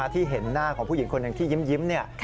ที่เห็นหน้าของผู้หญิงคนหนึ่งที่ยิ้ม